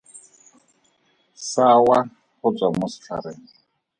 Sa wa go tswa mo setlhareng.